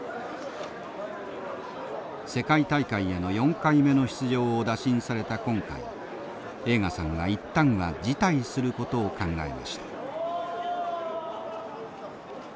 世界大会への４回目の出場を打診された今回栄花さんはいったんは辞退することを考えました。